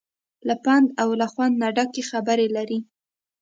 له پند او له خوند نه ډکې خبرې لري.